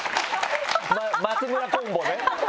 松村コンボね。